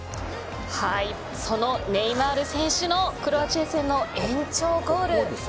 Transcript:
そのネイマール選手のクロアチア戦の延長ゴール。